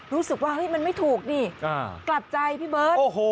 รู้สึกว่าเฮ้ยมันไม่ถูกนี่กลับใจพี่เบิร์ต